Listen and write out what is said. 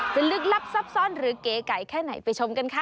เป็นลึกลับทรัพย์ซ่อนหรือเก๋ไก่แค่ไหนไปชมกันค่ะ